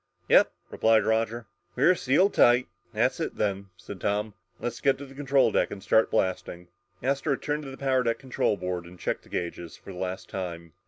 "Yep," replied Roger. "We're sealed tight." "That's it, then," said Tom. "Let's get to the control deck and start blasting!" Astro turned to the power deck control board and checked the gauges for the last time.